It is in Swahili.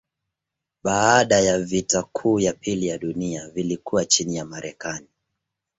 Baada ya vita kuu ya pili ya dunia vilikuwa chini ya Marekani.